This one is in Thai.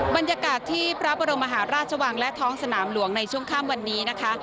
บรรยากาศที่พระบรมมหาราชวังและท้องสนามหลวงในช่วงข้ามวันนี้นะคะ